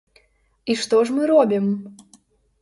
І што ж мы робім?